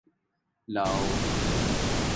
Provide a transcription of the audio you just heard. لاؤ